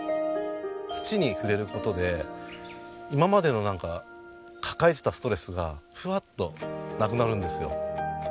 土に触れる事で今までのなんか抱えてたストレスがふわっとなくなるんですよ。